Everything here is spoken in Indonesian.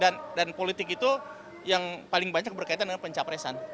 dan politik itu yang paling banyak berkaitan dengan pencapresan